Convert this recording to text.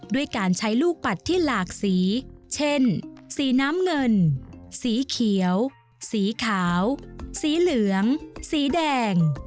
ด้วยการใช้ลูกปัดที่หลากสีเช่นสีน้ำเงินสีเขียวสีขาวสีเหลืองสีแดง